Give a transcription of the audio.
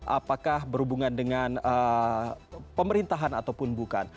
apakah berhubungan dengan pemerintahan ataupun bukan